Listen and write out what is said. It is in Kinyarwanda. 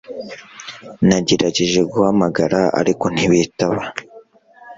nagerageje guhamagara, ariko ntibitaba